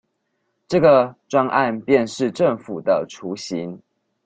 這個專案便是政府的雛形